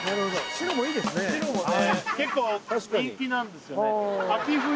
白もね結構人気なんですよね